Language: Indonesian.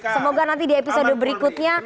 semoga nanti di episode berikutnya